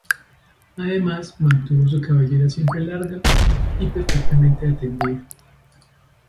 Además, mantuvo su cabellera siempre larga y perfectamente atendida.